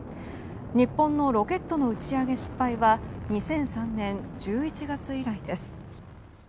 日本のロケットの打ち上げ失敗は２００３年１１月以来です。